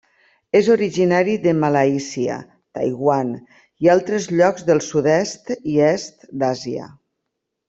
És originari de Malàisia, Taiwan, i altres llocs del sud-est i est d'Àsia.